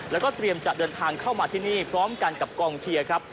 แล้วก็เตรียมจะเดินทางเข้ามาที่นี่พร้อมกันกับกองเชียร์ครับ